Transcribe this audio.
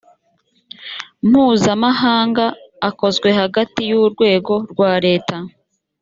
mpuzamahanga akozwe hagati y urwego rwa leta